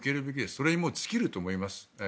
それに尽きると思います。